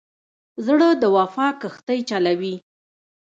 زړه د وفا کښتۍ چلوي.